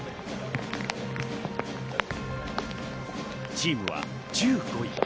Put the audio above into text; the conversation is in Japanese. チームは１５位。